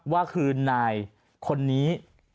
ว่าคือนายคนนี้